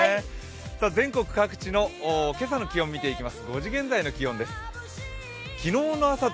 全国各地の今朝の気温、見ていきます。